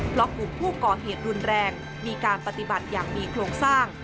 เพราะกลุ่มผู้ก่อเหตุรุนแรงมีการปฏิบัติอย่างมีโครงสร้าง